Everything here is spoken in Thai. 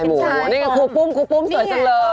นี่คุณปุ้มสวยสักเลย